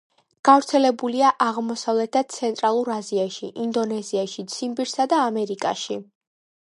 გავრცელებულია აღმოსავლეთ და ცენტრალურ აზიაში, ინდონეზიაში, ციმბირსა და ამერიკაში.